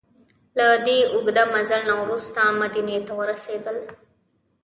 له دې اوږده مزل نه وروسته مدینې ته ورسېدل.